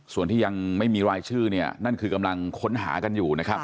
ส่วนที่ยังไม่มีรายชื่อเนี่ยนั่นคือกำลังค้นหากันอยู่นะครับ